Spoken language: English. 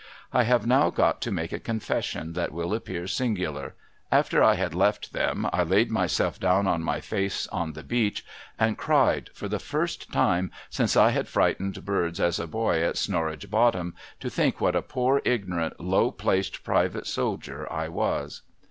I have now got to make a confession that will appear singular. After I had left them, I laid myself down on my face on the beach, and cried for the first time since I had frightened birds as a boy at Snorridge Bottom, to think what a poor, ignorant, low placed, private soldier 1 was.